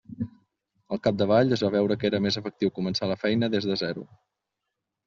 Al capdavall, es va veure que era més efectiu començar la feina des de zero.